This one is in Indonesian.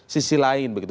sisi lain begitu